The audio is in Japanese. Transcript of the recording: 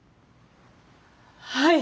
はい！